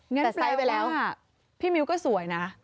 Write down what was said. งั้นแปลว่าพี่มิวก็สวยนะ